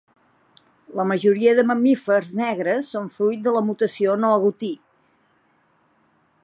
La majoria de mamífers negres són fruit de la mutació no agutí.